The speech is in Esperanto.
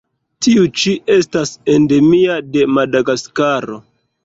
Tiu ĉi estas endemia de Madagaskaro.